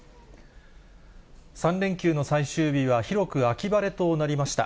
３連休の最終日は、広く秋晴れとなりました。